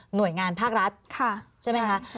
หน่วยงานภาครัฐใช่ไหมคะ